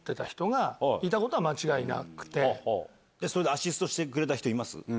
アシストしてくれた人います？